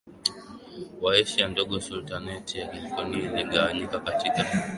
wa Asia Ndogo Sultanate ya Ikonia iligawanyika katika